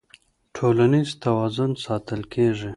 ټولنيز توازن ساتل کيږي.